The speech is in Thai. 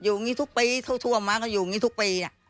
อย่างนี้ทุกปีเท่าทั่วมาก็อยู่อย่างนี้ทุกปีนะ